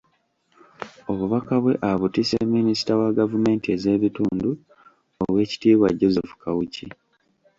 Obubakabwe abutisse minisita wa gavumenti ez'ebitundu Oweekitibwa Joseph Kawuki.